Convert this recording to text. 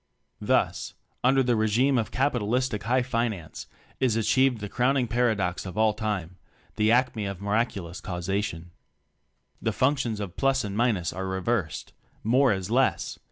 Thus, under the regime of capitalis tic "High Finance," is achieved the crowning paradox of all time the acme of miraculous causation: The functions of plus and minus are reversed; more is less!